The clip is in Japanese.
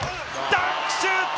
ダンクシュート！